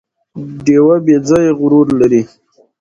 ډیوه بې ځايه غرور لري